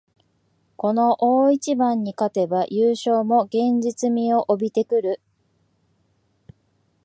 この大一番に勝てば優勝も現実味を帯びてくる